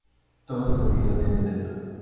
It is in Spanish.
Todos murieron en el acto.